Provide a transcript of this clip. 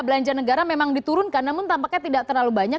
belanja negara memang diturunkan namun tampaknya tidak terlalu banyak